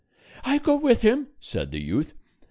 "I go with him!" said the youth.